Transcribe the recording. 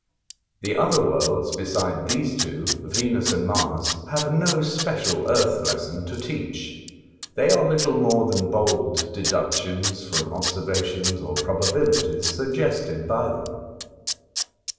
The other worlds beside these two (Venus and Mars) have no special earth lesson to teach ; they are little more than bold deductions from observa tions or probabilities suggested by them.